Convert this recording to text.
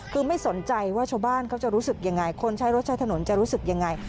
คือไม่สนใจว่าชาวบ้านเขาจะรู้สึกยังไงคนใช้รถใช้ถนนจะรู้สึกยังไง